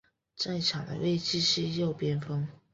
在场上的位置是右边锋。